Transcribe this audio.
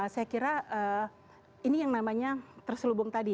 saya kira ini yang namanya terselubung tadi